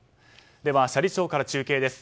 では、斜里町から中継です。